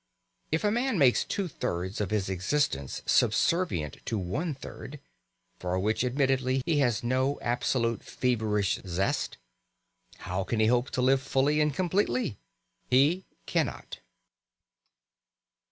If a man makes two thirds of his existence subservient to one third, for which admittedly he has no absolutely feverish zest, how can he hope to live fully and completely? He cannot.